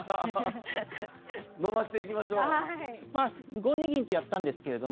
５二銀とやったんですけれども